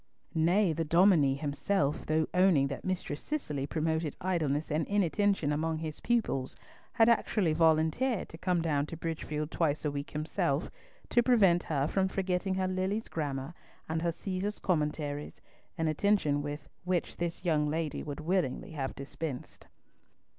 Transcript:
Nay, the dominie himself, though owning that Mistress Cicely promoted idleness and inattention among his pupils, had actually volunteered to come down to Bridgefield twice a week himself to prevent her from forgetting her Lilly's grammar and her Caesar's Commentaries, an attention with which this young lady would willingly have dispensed.